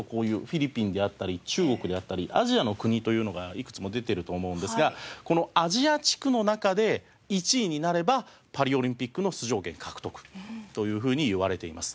フィリピンであったり中国であったりアジアの国というのがいくつも出てると思うんですがこのアジア地区の中で１位になればパリオリンピックの出場権獲得というふうにいわれています。